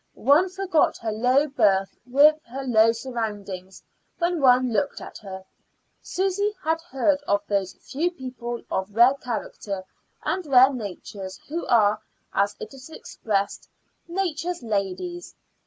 One forgot her low birth, her low surroundings, when one looked at her. Susy had heard of those few people of rare character and rare natures who are, as it is expressed, "Nature's ladies."